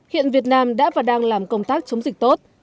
hiện việt nam đã và đang làm công tác chống dịch tốt